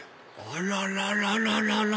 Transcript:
あらららら！